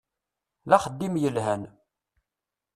D axeddim yelhan.